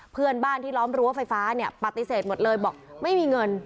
เพื่อนบ้านที่ล้อมรั้วไฟฟ้าเนี่ยปฏิเสธหมดเลยบอกไม่มีเงิน